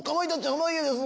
濱家です